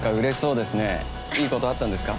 いいことあったんですか？